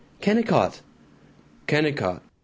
"Kennicott." "Kennicott.